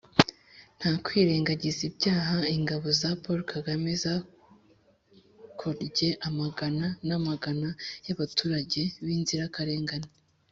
nta kwirengagiza ibyaha ingabo za paul kagame zakorye amagana n'amagana y'abaturage b'inzirakarengane.